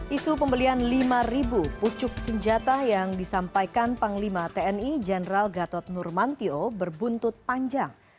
isu pembelian lima pucuk senjata yang disampaikan panglima tni jenderal gatot nurmantio berbuntut panjang